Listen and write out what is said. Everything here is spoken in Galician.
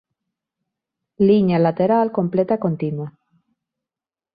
Liña lateral completa e continua.